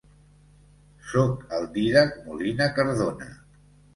Soc el Dídac Molina Cardona.